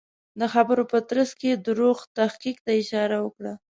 د خبرو په ترڅ کې دروغ تحقیق ته اشاره وکړه.